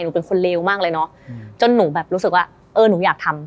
เป็นคนเลวมากเลยเนอะจนหนูแบบรู้สึกว่าเออหนูอยากทำ